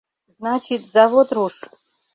Значит Завод руш.